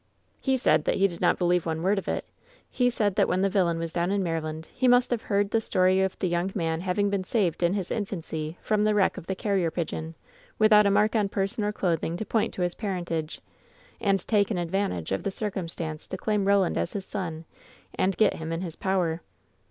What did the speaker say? "He said that he didn't believe one word of it. He said that when the villain was down in Maryland he must have heard the story of the young man having been saved in his infancy from the wreck of the Carrier Pig eon, without a mark on person or clothing tQ point to hi? parentage, and taken advantage of the circumstance to claim Roland as his son, and get him in his power."